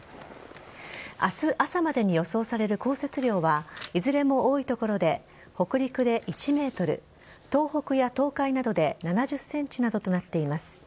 明日朝までに予想される降雪量はいずれも多い所で北陸で１ｍ東北や東海などで７０ｃｍなどとなっています。